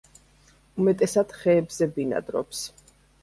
უმეტესად ხეებზე ბინადრობს.